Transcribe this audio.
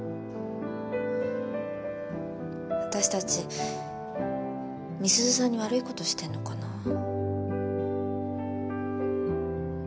私たち美鈴さんに悪いことしてんのかな？